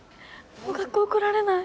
もう学校来られない。